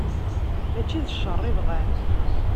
Mačči d cceṛ i bɣan.